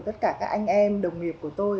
tất cả các anh em đồng nghiệp của tôi